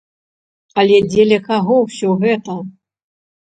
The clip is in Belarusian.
Але дзеля каго ўсё гэта?